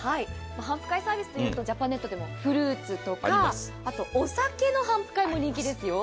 頒布会サービスでいうと、ジャパネットだとフルーツとかあとお酒の頒布会も人気ですよ。